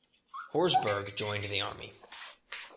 Horsburgh joined the Army.